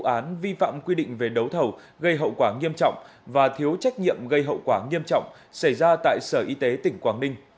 vụ án vi phạm quy định về đấu thầu gây hậu quả nghiêm trọng và thiếu trách nhiệm gây hậu quả nghiêm trọng xảy ra tại sở y tế tỉnh quảng ninh